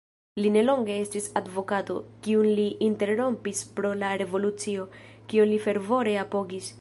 Li nelonge estis advokato, kiun li interrompis pro la revolucio, kion li fervore apogis.